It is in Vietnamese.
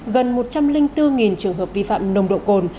gần một trăm linh bốn trường hợp vi phạm nồng độ cồn